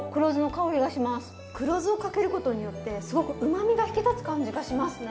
黒酢をかけることによってすごくうまみが引き立つ感じがしますね。